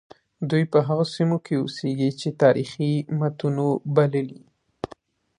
دوی په هغو سیمو کې اوسیږي چې تاریخي متونو بللي.